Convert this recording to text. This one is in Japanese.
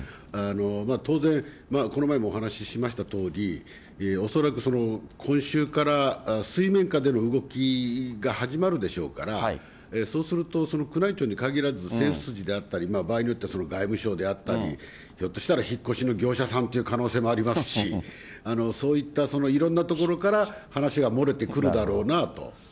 当然、この前もお話ししましたとおり、恐らく今週から水面下での動きが始まるでしょうから、そうすると、その宮内庁に限らず、政府筋であったり、場合によっては外務省であったり、ひょっとしたら引っ越しの業者さんという可能性もありますし、そういったいろんなところから話が漏れてくるだろうなと。